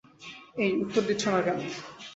এই, উত্তর দিচ্ছ না কেন?